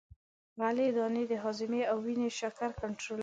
غلې دانې د هاضمې او وینې شکر کنترولوي.